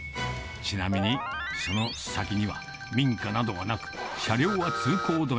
ちなみにその先には民家などはなく、車両は通行止め。